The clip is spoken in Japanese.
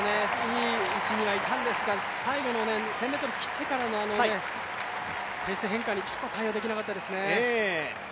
いい位置にはいたんですが、最後１０００ｍ切ってからのペース変化にちょっと対応できなかったですね。